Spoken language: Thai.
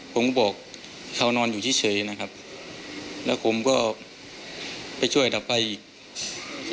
ผมก็บอกเขานอนอยู่เฉยนะครับแล้วผมก็ไปช่วยดับไฟอีก